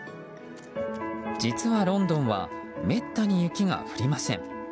実はロンドンはめったに雪が降りません。